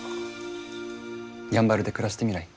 やんばるで暮らしてみない？